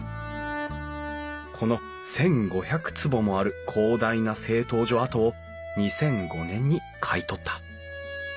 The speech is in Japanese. この１，５００坪もある広大な製陶所跡を２００５年に買い取った。